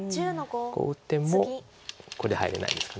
こう打ってもここに入れないですから。